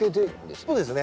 そうですね。